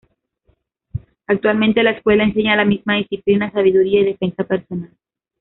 Actualmente la escuela enseña la misma disciplina, sabiduría y defensa personal.